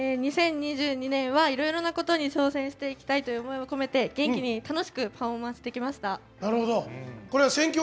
２０２２年はいろいろなことに挑戦していきたいという思いを込めて元気に楽しくパフォーマンスできました。